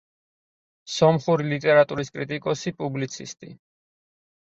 სომხური ლიტერატურის კრიტიკოსი, პუბლიცისტი.